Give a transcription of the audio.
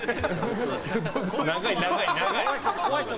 長い、長い。